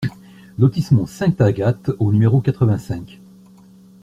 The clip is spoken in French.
Lotissement Sainte-Agathe au numéro quatre-vingt-cinq